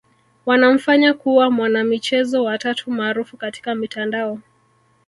wanamfanya kuwa mwanamichezo wa tatu maarufu katika mitandao